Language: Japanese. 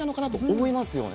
思いますね。